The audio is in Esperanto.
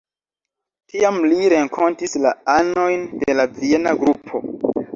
Tiam li renkontis la anojn de la Viena Grupo.